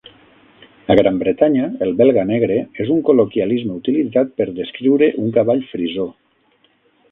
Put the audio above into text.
A Gran Bretanya, el "belga negre" és un col·loquialisme utilitzat per descriure un cavall frisó.